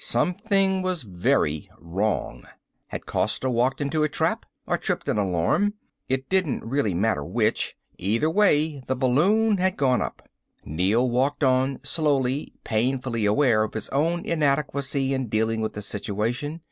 Something was very wrong. Had Costa walked into a trap or tripped an alarm? It didn't really matter which, either way the balloon had gone up. Neel walked on slowly, painfully aware of his own inadequacy in dealing with the situation.